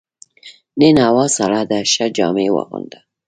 نن هوا سړه ده، ښه جامې واغونده.